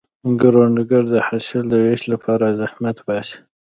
کروندګر د حاصل د ویش لپاره زحمت باسي